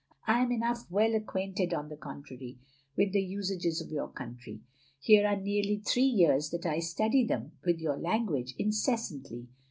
" I am enough well acquainted on the contrary, with the usages of your country. Here are nearly three years that I study them, with your language, incessantly.